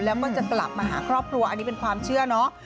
แล้วก็จะกลับมาหาครอบครัวอันนี้เป็นความเชื่อเนาะ